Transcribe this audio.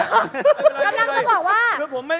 อเจมส์กำลังจะบอกว่า